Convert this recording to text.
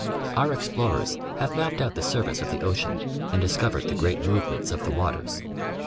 Our explorers have mapped out the surface of the ocean and discovered the great movements of the waters.